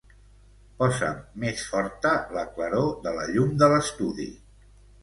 Posa'm més forta la claror de la llum de l'estudi.